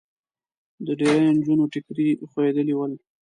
د ډېریو نجونو ټیکري خوېدلي ول.